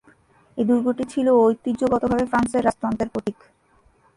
এ দুর্গটি ছিল ঐতিহ্যগতভাবে ফ্রান্সের রাজতন্ত্রের প্রতীক।